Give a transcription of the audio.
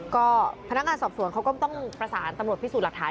ก็พนักงานสอบสวนเขาก็ต้องประสานตำรวจพิสูจน์หลักฐาน